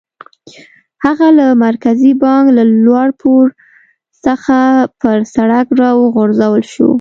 هغه له مرکزي بانک له لوړ پوړ څخه پر سړک را وغورځول شو.